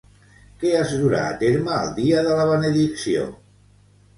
Què es durà a terme el dia de la benedicció?